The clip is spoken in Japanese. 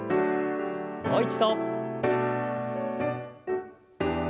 もう一度。